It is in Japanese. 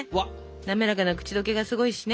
滑らかな口どけがすごいしね。